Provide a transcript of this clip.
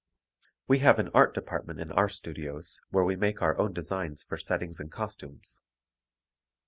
We have an art department in our studios where we make our own designs for settings and costumes.